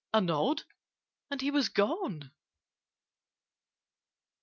A nod, and he was gone.